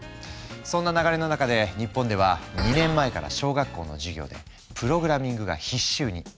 そんな流れの中で日本では２年前から小学校の授業でプログラミングが必修に。